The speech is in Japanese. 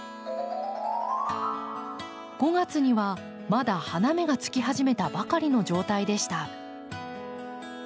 ５月にはまだ花芽がつき始めたばかりの状態でした。